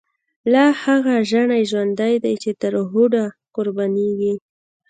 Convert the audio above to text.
لا هغه ژڼۍ ژوندۍ دی، چی تر هوډه قربانیږی